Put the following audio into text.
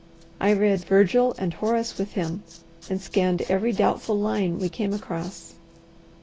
I read Virgil and Horace with him, and scanned every doubtful line we came across.